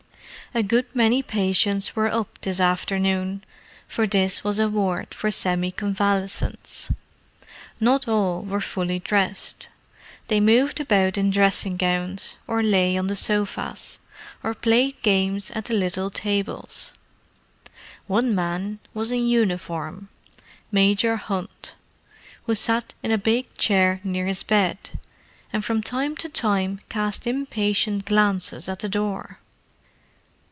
A good many of the patients were up this afternoon, for this was a ward for semi convalescents. Not all were fully dressed: they moved about in dressing gowns, or lay on the sofas, or played games at the little tables. One man was in uniform: Major Hunt, who sat in a big chair near his bed, and from time to time cast impatient glances at the door.